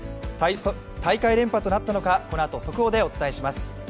大会連覇となったのか、このあと速報でお伝えします。